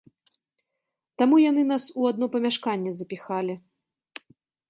Таму яны нас у адно памяшканне запіхалі.